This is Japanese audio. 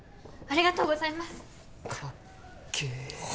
ありがとうございます！